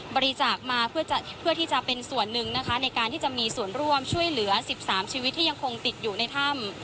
บริจาคมาเพื่อที่จะเป็นส่วนหนึ่งนะคะในการที่จะมีส่วนร่วมช่วยเหลือ๑๓ชีวิตที่ยังคงติดอยู่ในถ้ำ